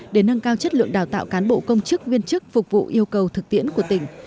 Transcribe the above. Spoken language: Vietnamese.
để nâng cao chất lượng đào tạo cán bộ công chức viên chức phục vụ yêu cầu thực tiễn của tỉnh